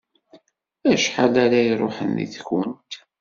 Acḥal ara iruḥen deg-kunt?